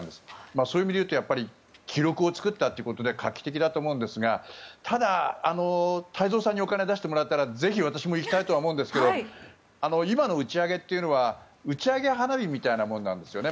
そういう意味で言うと記録を作ったということで画期的だと思うんですがただ、太蔵さんにお金を出してもらえたらぜひ、私も行きたいとは思いますが今の打ち上げというのは打ち上げ花火みたいなものなんですよね。